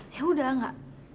ya udah nggak